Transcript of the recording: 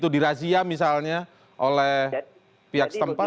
dirazia misalnya oleh pihak setempat